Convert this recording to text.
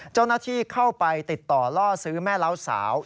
เจ้าหน้าที่เข้าไปติดต่อล่อซื้อแม่เล้าสาว